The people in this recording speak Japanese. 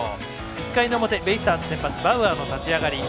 １回の表、ベイスターズ先発バウアーの立ち上がり。